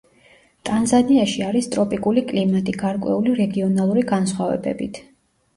ტანზანიაში არის ტროპიკული კლიმატი, გარკვეული რეგიონალური განსხვავებებით.